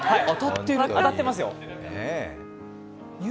当たってますよ。